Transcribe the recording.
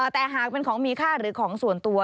แต่หากเป็นของมีค่าหรือของส่วนตัว